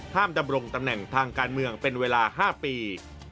ดำรงตำแหน่งทางการเมืองเป็นเวลา๕ปี